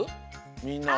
みんなは。